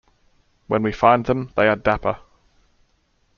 When we find them, they are dapper.